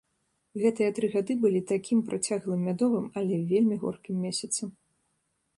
Гэтыя тры гады былі такім працяглым мядовым, але вельмі горкім месяцам.